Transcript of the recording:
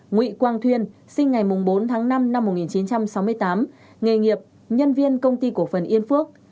nguyễn quang thuyên sinh ngày bốn tháng năm năm một nghìn chín trăm sáu mươi tám nghề nghiệp nhân viên công ty cổ phần yên phước